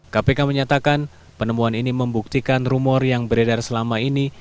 kpk menyatakan penemuan ini membuktikan rumor yang beredar selama ini